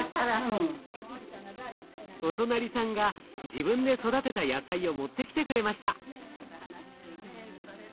お隣さんが自分で育てた野菜を持ってきてくれました。